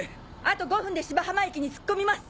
あと５分で芝浜駅に突っ込みます！